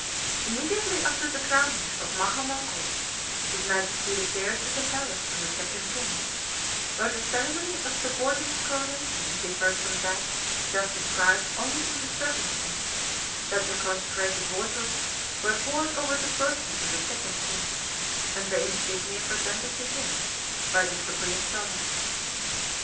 Immediately after the crowning of Maha Mongkut, his Majesty repaired to the palace of the Second King, where the ceremony of subordinate coronation differed from that just described only in the circumstance that the consecrated waters were poured over the person of the Second King, and the insignia presented to him, by the supreme sovereign.